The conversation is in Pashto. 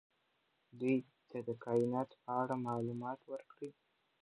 دوی ته د کائناتو په اړه معلومات ورکړئ.